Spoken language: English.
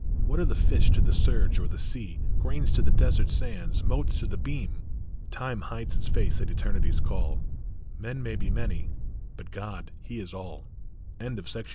What are the fish to the surge or the sea, Grains to the desert sands, motes to the beam ? Time hides its face at Eternity s call ; Men may be many, but God he is all. AT FLOOD.